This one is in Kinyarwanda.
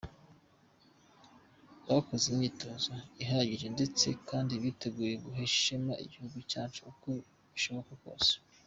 Bakoze imyitozo ihagije ndetse kandi biteguye guhesha ishema igihugu cyacu uko bishoboka kose.